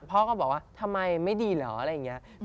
พ่อก็บอกว่าทำไมไม่ดีเหรออะไรอย่างนี้